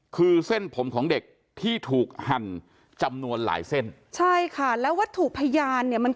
คือเส้นผมของเด็กที่ถูกหั่นจำนวนหลายเส้นใช่ค่ะแล้ววัตถุพยานเนี่ยมัน